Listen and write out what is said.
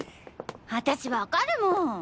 私わかるもん！